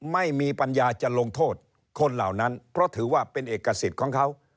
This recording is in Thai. ไม่มีปัญญาจะลงโทษคนเหล่านั้นเพราะถือว่าเป็นเอกสิทธิ์ของเขา